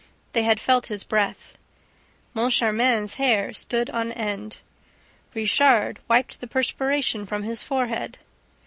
They had felt his breath. Moncharmin's hair stood on end. Richard wiped the perspiration from his forehead.